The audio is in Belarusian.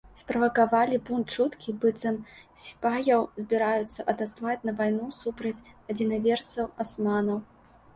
Справакавалі бунт чуткі, быццам сіпаяў збіраюцца адаслаць на вайну супраць адзінаверцаў-асманаў.